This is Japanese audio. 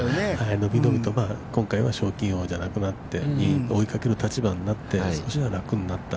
◆伸び伸びと、今回は賞金王じゃなくなって、２位、追いかける立場になって、少しは楽になった。